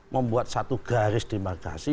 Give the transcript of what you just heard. membuat satu garis demarkasi